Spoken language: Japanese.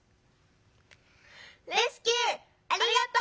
「レスキューありがとう！